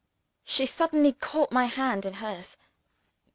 She suddenly caught my hand in hers.